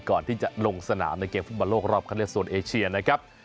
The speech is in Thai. ก่อนที่จะลงสนามในเกมฟุตบอลโลกรอบคันเลือกโซนเอเชียนะครับ